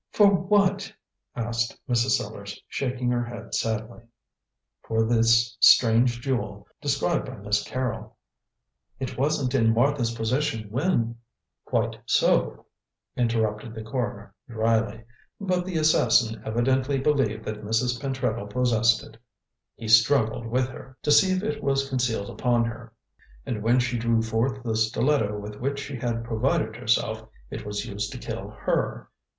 "For what?" asked Mrs. Sellars, shaking her head sadly. "For this strange jewel, described by Miss Carrol." "It wasn't in Martha's possession when " "Quite so," interrupted the coroner, dryly; "but the assassin evidently believed that Mrs. Pentreddle possessed it. He struggled with her to see if it was concealed upon her, and when she drew forth the stiletto with which she had provided herself, it was used to kill her.